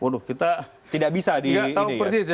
waduh kita tidak tahu persis ya